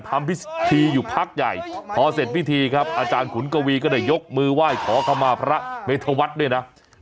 ทำพิธีอยู่พักใหญ่พอเสร็จพิธีครับอาจารย์ขุนกวีก็ได้ยกมือไหว้ขอคำมาพระเมธวัฒน์ด้วยนะ